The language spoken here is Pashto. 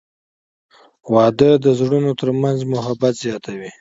• واده د زړونو ترمنځ محبت زیاتوي.